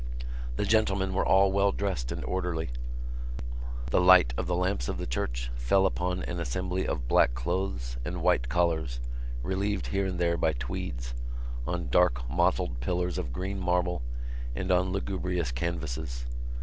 The gentlemen were all well dressed and orderly. The light of the lamps of the church fell upon an assembly of black clothes and white collars, relieved here and there by tweeds, on dark mottled pillars of green marble and on lugubrious canvases.